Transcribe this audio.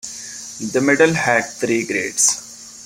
The medal had three grades.